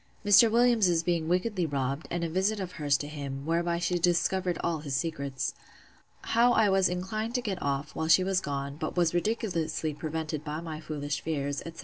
Mr. Williams's being wickedly robbed, and a visit of hers to him; whereby she discovered all his secrets. How I was inclined to get off, while she was gone; but was ridiculously prevented by my foolish fears, etc.